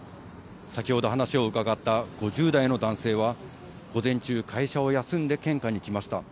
先ほど話を伺った５０代の男性は、午前中、会社を休んで献花に来ました。